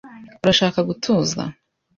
Urashaka gutuza?